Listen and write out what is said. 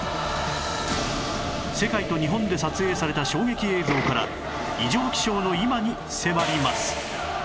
世界と日本で撮影された衝撃映像から異常気象の今に迫ります！